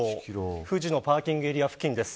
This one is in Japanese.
藤野パーキングエリア付近です。